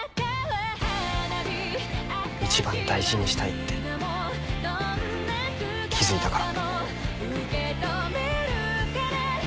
一番大事にしたいって気付いたから。